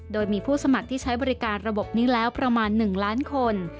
โดยมีผู้สมัครที่ใช้บริการระบบนี้แล้วประมาณ๑ล้านคน